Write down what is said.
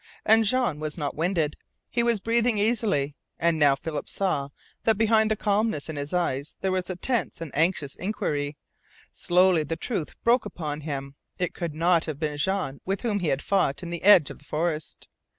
And Jean was not winded. He was breathing easily. And now Philip saw that behind the calmness in his eyes there was a tense and anxious inquiry. Slowly the truth broke upon him. It could not have been Jean with whom he had fought in the edge of the forest!